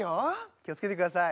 気を付けてください。